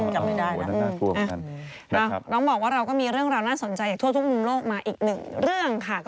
พระอาจารย์บอกว่าเรามีเรื่องราวน่าสนใจทั่วทุกอย่างโลกมาอีกหนึ่ง